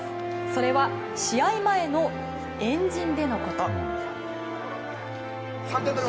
それは、試合前の円陣でのこと。